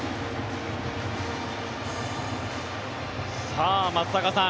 さあ、松坂さん